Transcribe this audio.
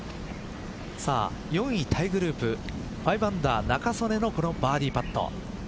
４位タイグループ５アンダー仲宗根のこのバーディーパット。